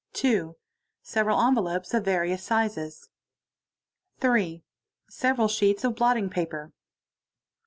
| 2. Several envelopes of various sizes. 3. Several sheets of blotting paper.